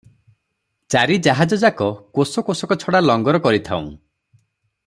ଚାରି ଜାହାଜଯାକ କୋଶକୋଶକ ଛଡା ଲଙ୍ଗର କରିଥାଉଁ ।